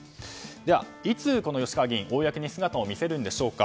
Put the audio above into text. では、いつ吉川議員公に姿を見せるんでしょうか。